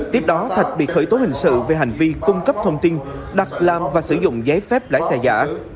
tiếp đó thạch bị khởi tố hình sự về hành vi cung cấp thông tin đặt làm và sử dụng giấy phép lái xe giả